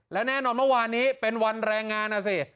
และแน่นอนเมื่อวานนี้เป็นวันแรงงานนะสิ